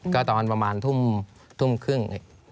ก็ตอนประมาณทุ่มครึ่ง